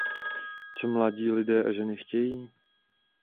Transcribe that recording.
Co mladí lidé a ženy chtějí?